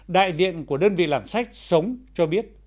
đại diện của đơn vị làm sách sống cho biết